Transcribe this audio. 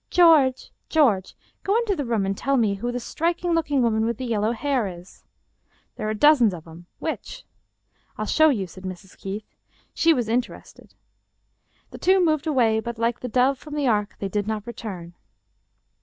George — George — go into the room and tell me who the striking looking woman with the yellow hair is." " There are dozens of 'em. Which ?"" I'll show you," said Mrs. Keith. She was interested. The two moved away, but like the dove from the ark they did not return.